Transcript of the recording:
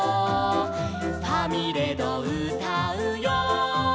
「ファミレドうたうよ」